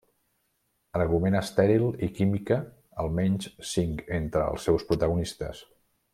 Argument estèril i química almenys cinc entre els seus protagonistes.